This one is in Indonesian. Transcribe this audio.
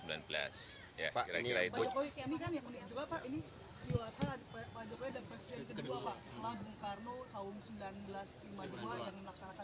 banyak posisi yang ini kan yang unik juga pak ini diulangkan banyak posisi yang kedua pak